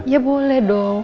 ya boleh dong